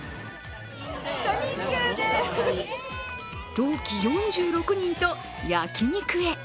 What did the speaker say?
同期４６人と焼き肉へ。